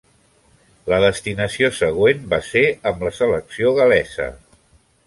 La destinació següent va ser amb la selecció gal·lesa.